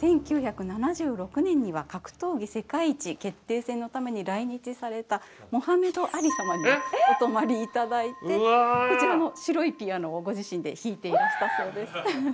１９７６年には格闘技世界一決定戦のために来日されたモハメド・アリ様にもお泊まり頂いてこちらの白いピアノをご自身で弾いていらしたそうです。